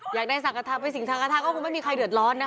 อยากได้สังฆาธารไปสิ่งสังฆาธารก็คงไม่มีใครเดือดร้อนนะคะ